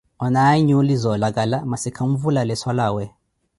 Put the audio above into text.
Onaawe nyuuli zoolakala, masi khanvula leeso lawe.